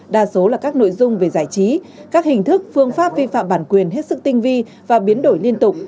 đa số là các nội dung về giải trí các hình thức phương pháp vi phạm bản quyền hết sức tinh vi và biến đổi liên tục